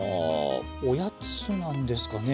おやつなんですかね。